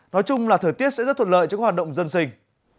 nói chung là thời tiết sẽ rất thuận lợi trong hoạt động dân sinh